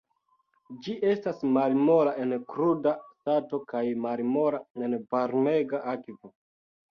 Ĝi estas malmola en kruda stato kaj malmola en varmega akvo.